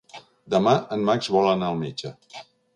Demà en Max vol anar al metge.